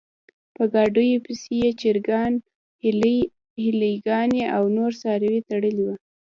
په ګاډیو پسې یې چرګان، هیلۍ ګانې او نور څاروي تړلي و.